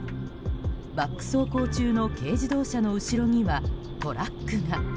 バック走行中の軽自動車の後ろにはトラックが。